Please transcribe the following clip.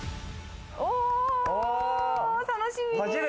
お、楽しみ！